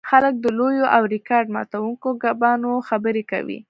خلک د لویو او ریکارډ ماتوونکو کبانو خبرې کوي